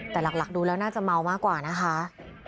แต่หลักดูแล้วน่าจะเมามากกว่านะคะ